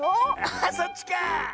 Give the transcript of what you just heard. あそっちか！